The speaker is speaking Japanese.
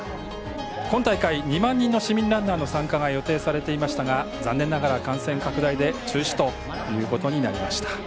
今大会、２万人の市民ランナーの参加が予定されていましたが残念ながら感染拡大で中止ということになりました。